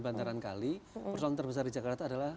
bantaran kali persoalan terbesar di jakarta adalah